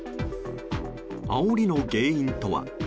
あおりの原因とは。